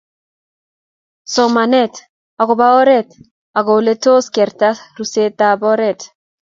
somanet agoba oret ago oletos kegerta rusetab oret